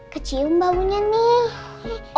kecium baunya nih